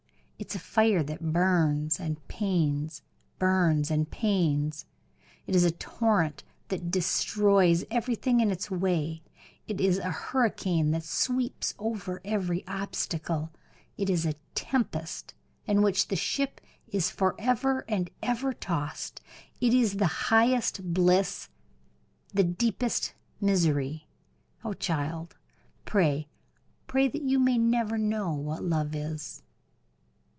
It is a fire that burns and pains burns and pains; it is a torrent that destroys everything in its way; it is a hurricane that sweeps over every obstacle; it is a tempest in which the ship is forever and ever tossed; it is the highest bliss, the deepest misery! Oh, child! pray, pray that you may never know what love is!"